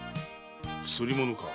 刷り物か。